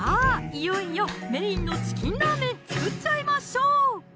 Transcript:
いよいよメインの「チキンラーメン」作っちゃいましょう！